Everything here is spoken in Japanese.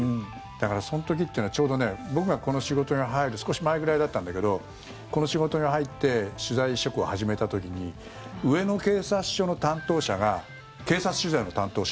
だからその時というのはちょうど僕がこの仕事に入る少し前ぐらいだったんだけどこの仕事に入って取材を始めた時に上野警察署の担当者が警察取材の担当者